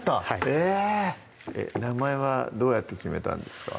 え名前はどうやって決めたんですか？